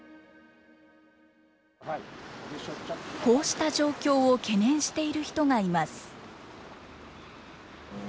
こうした状況を懸念している人がいます。